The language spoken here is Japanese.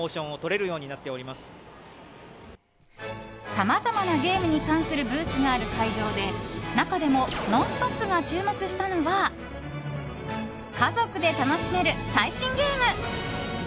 さまざまなゲームに関するブースがある会場で中でも「ノンストップ！」が注目したのは家族で楽しめる最新ゲーム。